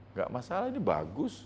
enggak masalah ini bagus